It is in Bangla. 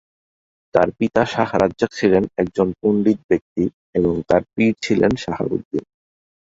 তাঁর পিতা শাহ্ রাজ্জাক ছিলেন একজন পন্ডিত ব্যক্তি এবং তাঁর পীর ছিলেন সাহাবুদ্দীন।